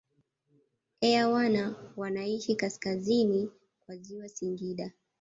Airwana wanaishi kaskazini kwa ziwa Singida